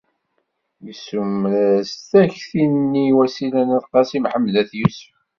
Yessumer-as-d takti-nni i Wasila n Qasi Mḥemmed n At Yusef.